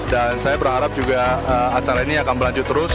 dan saya berharap juga acara ini akan berlanjut terus